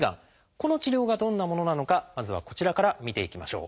この治療がどんなものなのかまずはこちらから見ていきましょう。